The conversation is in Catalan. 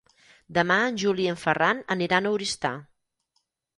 Demà en Juli i en Ferran aniran a Oristà.